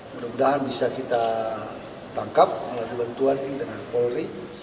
mudah mudahan bisa kita tangkap melalui bantuan internasional polri